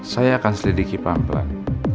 saya akan selidiki pak pelan